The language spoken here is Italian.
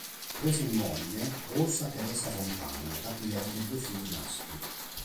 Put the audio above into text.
Prese in moglie Rosa Teresa Fontana da cui ebbe due figli maschi.